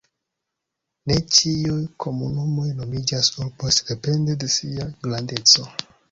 Ne ĉiuj komunumoj nomiĝas urboj, sendepende de sia grandeco.